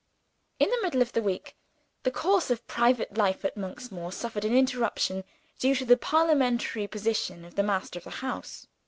In the middle of the week, the course of private life at Monksmoor suffered an interruption due to the parliamentary position of the master of the house.